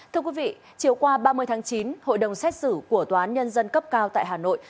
thưa quý vị chiều qua ba mươi tháng chín hội đồng xét xử của tòa án nhân dân cấp cao tại hà nội